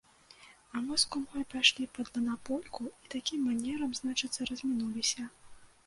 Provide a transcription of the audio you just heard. А мы з кумой пайшлі пад манапольку і такім манерам, значыцца, размінуліся.